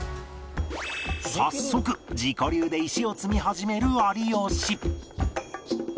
早速自己流で石を積み始める有吉